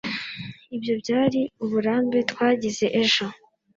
Ibyo byari uburambe twagize ejo